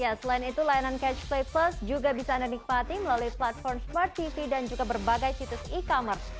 ya selain itu layanan catch play plus juga bisa anda nikmati melalui platform smart tv dan juga berbagai situs e commerce